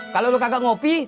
kalau lu kagak ngopi